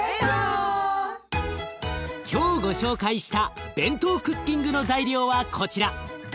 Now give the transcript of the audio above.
今日ご紹介したＢＥＮＴＯクッキングの材料はこちら。